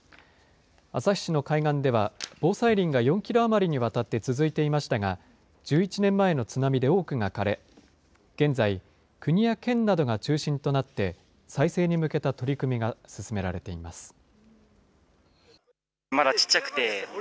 旭市の海岸では、防災林が４キロ余りにわたって続いていましたが、１１年前の津波で多くが枯れ、現在、国や県などが中心となって再生に向けた取り組みが進められています。